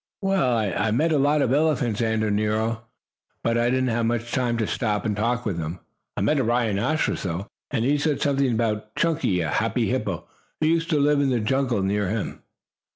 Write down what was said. "Well, I met lots of elephants," answered Nero, "but I didn't have much time to stop and talk with them. I met a rhinoceros, though, and he said something about Chunky, a happy hippo, who used to live in the jungle near him."